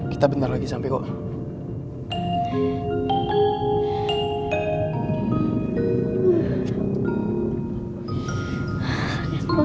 kita bentar lagi sampai kok